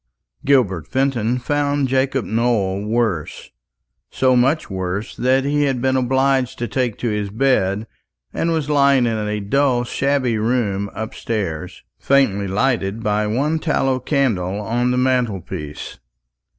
Gilbert Fenton found Jacob Nowell worse; so much worse, that he had been obliged to take to his bed, and was lying in a dull shabby room upstairs, faintly lighted by one tallow candle on the mantelpiece.